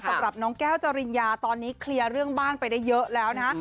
สำหรับน้องแก้วจริญญาตอนนี้เคลียร์เรื่องบ้านไปได้เยอะแล้วนะ